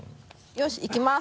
よしいきます。